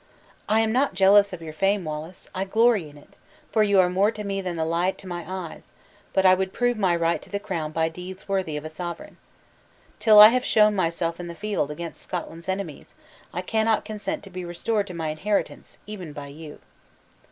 I am not jealous of your fame, Wallace; I glory in it; for you are more to me than the light to my eyes; but I would prove my right to the crown by deeds worthy of a sovereign. Till I have shown myself in the field against Scotland's enemies, I cannot consent to be restored to my inheritance, even by you."